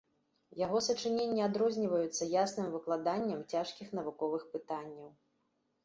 Яго сачыненні адрозніваюцца ясным выкладаннем цяжкіх навуковых пытанняў.